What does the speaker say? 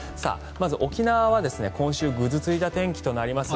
まず沖縄は今週はぐずついた天気となります。